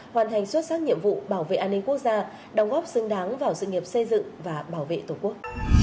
hoàn thành xuất sắc nhiệm vụ bảo vệ an ninh quốc gia đóng góp xứng đáng vào sự nghiệp xây dựng và bảo vệ tổ quốc